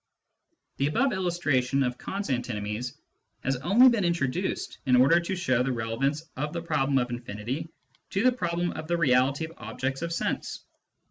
The above illustration of Kant's antinomies has only been introduced in order to show the relevance of the problem of infinity to the problem of the reality of objects of sense.